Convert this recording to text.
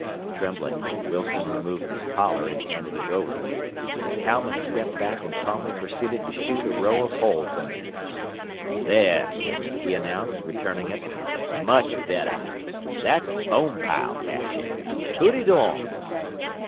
Trembling, Wilson removed his collar and handed it over. The cowman stepped back and calmly proceeded to shoot a row of holes in it. "There," he announced, returning it, "much better. That's Bonepile fashion. Put it on."